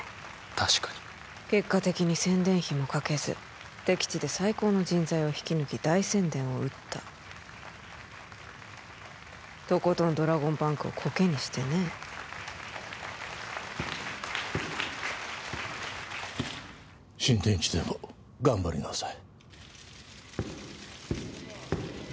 確かに結果的に宣伝費もかけず敵地で最高の人材を引き抜き大宣伝を打ったとことんドラゴンバンクをコケにしてね新天地でも頑張りなさい